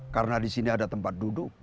karena di sini ada tempat duduk